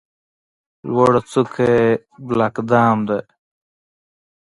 لوړه څوکه یې بلک دام ده.